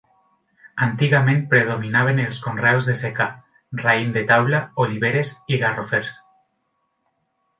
Antigament predominaven els conreus de secà: raïm de taula, oliveres i garrofers.